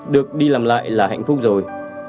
được đi làm lại là hạnh phúc rồi